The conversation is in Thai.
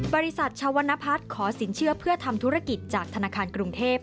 บริษัทชวนพัฒน์ขอสินเชื่อเพื่อทำธุรกิจจากธนาคารกรุงเทพ